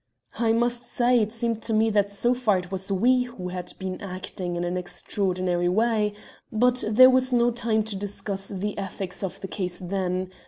"I must say it seemed to me that so far it was we who had been acting in an extraordinary way, but there was no time to discuss the ethics of the case then.